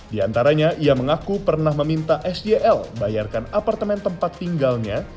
di antaranya ia mengaku pernah meminta syl bayarkan apartemen tempat tinggalnya